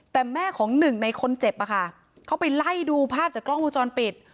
แต่แม่ของหนึ่งในคนเจ็บอะค่ะเขาไปไล่ดูภาพจากกล้องวงจรปิด